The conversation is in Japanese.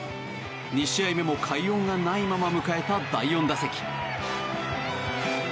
２試合目も快音がないまま迎えた第４打席。